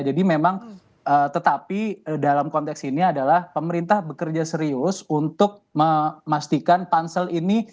jadi memang tetapi dalam konteks ini adalah pemerintah bekerja serius untuk memastikan pansel ini